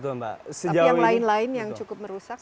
tapi yang lain lain yang cukup merusak